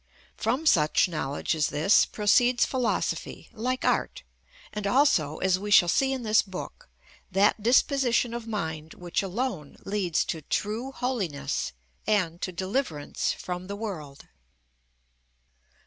From such knowledge as this proceeds philosophy, like art, and also, as we shall see in this book, that disposition of mind which alone leads to true holiness and to deliverance from the world.